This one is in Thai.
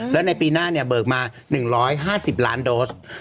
แล้วในปีหน้าเนี่ยเบิกมา๑๕๐ล้านโดส